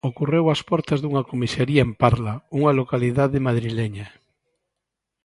Ocorreu ás portas dunha comisaría en Parla, unha localidade madrileña.